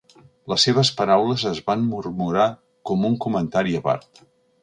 Les seves paraules es van murmurar com un comentari a part.